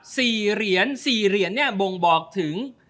๔เหรียญเนี่ยบ่งบอกถึง